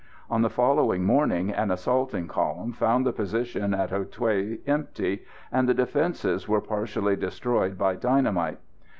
On the following morning an assaulting column found the position at Hou Thué empty, and the defences were partially destroyed by dynamite.